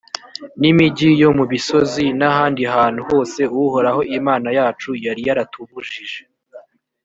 n’imigi yo mu bisozi n’ahandi hantu hose uhoraho imana yacu yari yaratubujije.